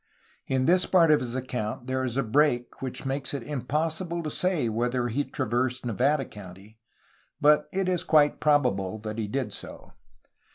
In this part of his account there is a break which makes it impossible to say whether he traversed Nevada County, but it is quite probable that he did so.